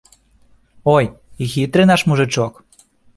Ой, і хітры наш мужычок!